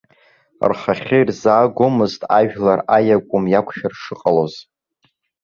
Рхахьы ирзаагомызт ажәлар аиакәым иақәшәар шыҟалоз.